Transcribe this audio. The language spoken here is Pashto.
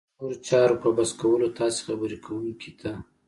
د نورو چارو په بس کولو تاسې خبرې کوونکي ته